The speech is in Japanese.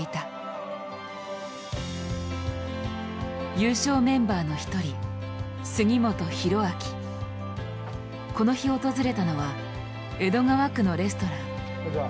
優勝メンバーの一人この日訪れたのは江戸川区のレストラン。